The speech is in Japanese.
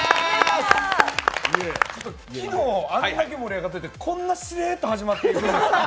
昨日、あんだけ盛り上がってて、こんなしれーっと始まるんですか。